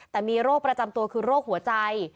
แต่มีโรคประจำตัวคือโรคหัวใจ